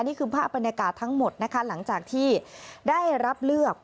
นี่คือภาพบรรยากาศทั้งหมดนะคะหลังจากที่ได้รับเลือก